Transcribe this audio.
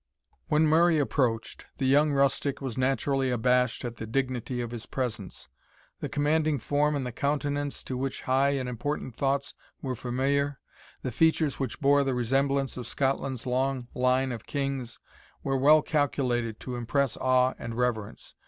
When Murray approached, the young rustic was naturally abashed at the dignity of his presence. The commanding form and the countenance to which high and important thoughts were familiar, the features which bore the resemblance of Scotland's long line of kings, were well calculated to impress awe and reverence.